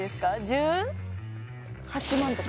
１８万とか？